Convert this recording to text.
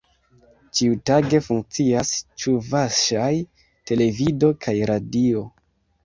Ĉiutage funkcias ĉuvaŝaj televido kaj radio.